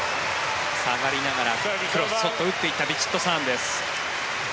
下がりながらクロスショットを打ってきたヴィチットサーンです。